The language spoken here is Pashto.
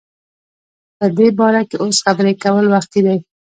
په دی باره کی اوس خبری کول وختی دی